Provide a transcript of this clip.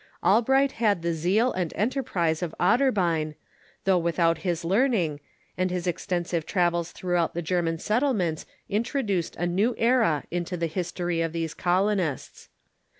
Albright had the zeal and enterprise of Otterbein, though without his learning, and his extensive trav els throughout the German settlements introduced a new era into the history of these colonists.